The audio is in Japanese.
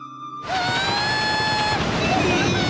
わあ！